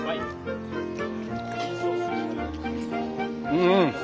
うん。